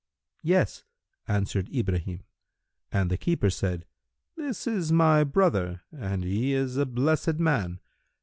"Yes," answered Ibrahim, and the keeper said, "This is my brother, and he is a blessed man!"